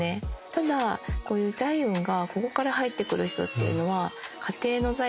ただこういう財運がここから入ってくる人っていうのは。